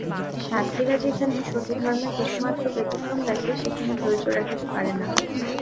সাধ্বীরা যেখানে সতীধর্মের কিছুমাত্র ব্যতিক্রম দেখে সেখানে ধৈর্য রাখিতে পারে না।